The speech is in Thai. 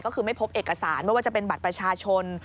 ก็คือไม่พบเอกสารไม่ว่าจะเป็นบัตรประชาชน